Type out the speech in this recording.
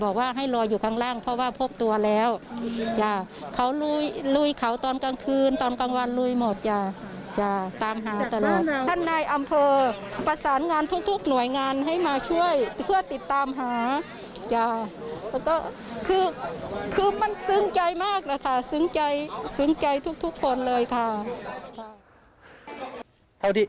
คือมันซึงใจมากซึงใจทุกคนเลยค่ะ